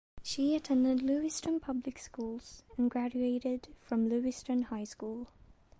She attended Lewiston Public Schools and graduated from Lewiston High School.